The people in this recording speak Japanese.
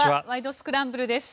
スクランブル」です。